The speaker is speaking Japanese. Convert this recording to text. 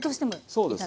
そうです。